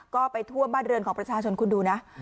ก็ไปท่วมบ้านเรือนของประชาชนคุณดูนะ